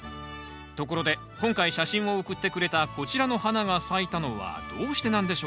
ところで今回写真を送ってくれたこちらの花が咲いたのはどうしてなんでしょうか？